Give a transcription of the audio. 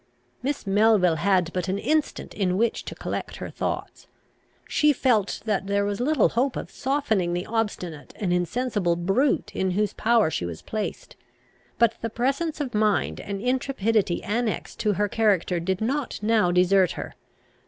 Miss Melville had but an instant in which to collect her thoughts. She felt that there was little hope of softening the obstinate and insensible brute in whose power she was placed. But the presence of mind and intrepidity annexed to her character did not now desert her.